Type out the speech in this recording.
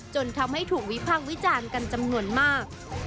จนทำให้ถูกวิพากษ์วิจารณ์กันจำนวนมาก